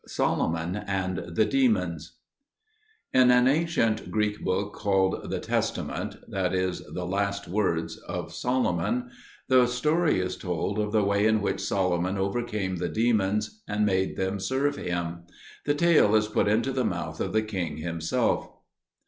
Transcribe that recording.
SOLOMON AND THE DEMONS In an ancient Greek book called The Testament (that is, the Last Words) of Solomon, the story is told of the way in which Solomon overcame the demons and made them serve him. The tale is put into the mouth of the king himself.